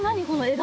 枝？